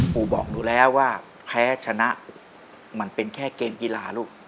ครูบอกหนูแล้วว่าแพ้ชนะมันเป็นแค่เกมกีฬาลูก